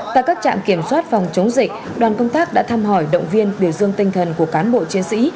tại các trạm kiểm soát phòng chống dịch đoàn công tác đã thăm hỏi động viên biểu dương tinh thần của cán bộ chiến sĩ